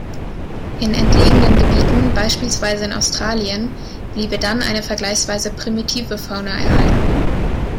In entlegenen Gebieten, beispielsweise in Australien, bliebe dann eine vergleichsweise primitive Fauna erhalten.